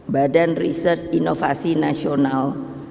badan riset inovasi nasional